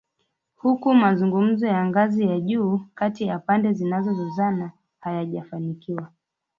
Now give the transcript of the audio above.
Huku mazungumzo ya ngazi ya juu kati ya pande zinazozozana hayajafanikiwa.